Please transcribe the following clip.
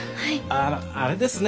あっあれですね